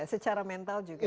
secara mental juga